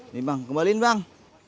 nih bang kembaliin bang